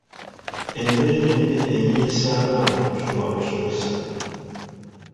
Embeera embi enyiyisa abaana okusoma obusomesa.